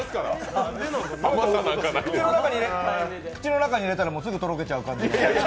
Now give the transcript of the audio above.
口の中に入れたら、すぐとろけちゃう感じの。